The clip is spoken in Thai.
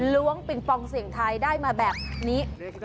้วงปิงปองเสียงไทยได้มาแบบนี้